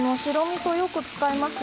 みそよく使います。